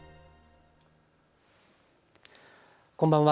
こんばんは。